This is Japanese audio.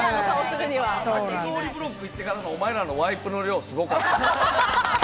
かき氷ブロック行ってからのお前らのワイプの量すごかった。